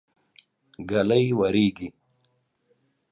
ږلۍ وريږي.